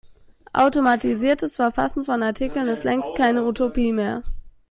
Automatisiertes Verfassen von Artikeln ist längst keine Utopie mehr.